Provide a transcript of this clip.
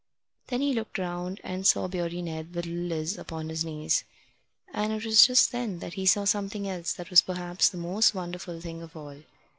Then he looked round and saw Beardy Ned with little Liz upon his knees; and it was just then that he saw something else that was perhaps the most wonderful thing of all.